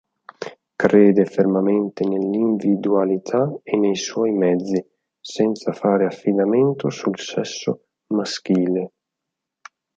Crede fermamente nell'individualità e nei suoi mezzi, senza fare affidamento sul sesso maschile.